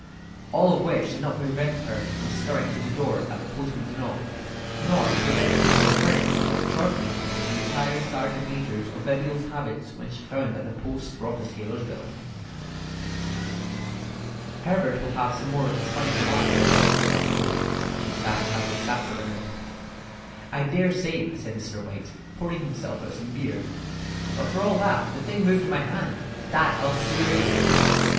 All of which did not prevent her from scurrying to the door at the postman's knock, nor prevent her from referring somewhat shortly to retired sergeant majors of bibulous habits when she found that the post brought a tailor's bill. "Herbert will have some more of his funny remarks, I expect, when he comes home," she said, as they sat at dinner. "I dare say," said Mr. White, pouring himself out some beer; "but for all that, the thing moved in my hand; that I'll swear to."